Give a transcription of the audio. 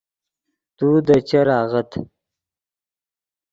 تو دے چر آغت